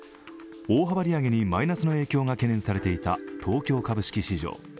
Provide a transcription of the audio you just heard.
大幅利上げにマイナスの影響が懸念されていた東京株式市場。